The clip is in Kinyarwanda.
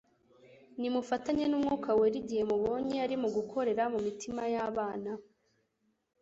Nimufatanye n'Umwuka Wera igihe mubonye ari mu gukorera mu mitima y' abana.